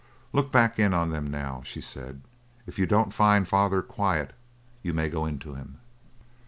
"Look back in on them now," she said. "If you don't find father quiet, you may go in to him."